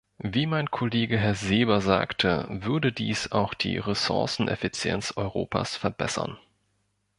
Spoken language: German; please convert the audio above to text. Wie mein Kollege Herr Seeber sagte, würde dies auch die Ressourceneffizienz Europas verbessern.